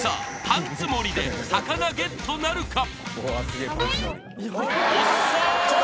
パンツモリで魚ゲットなるか？